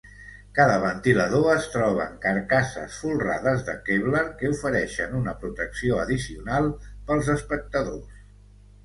Cada ventilador es troba en carcasses folrades de Kevlar que ofereixen una protecció addicional pels espectadors.